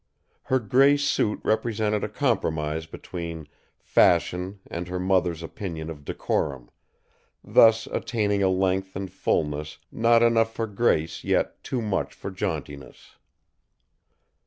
Her gray suit represented a compromise between fashion and her mother's opinion of decorum, thus attaining a length and fulness not enough for grace yet too much for jauntiness.